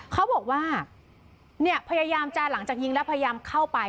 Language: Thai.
เขาบอกว่าเนี่ยพยายามจะหลังจากยิงแล้วพยายามเข้าไป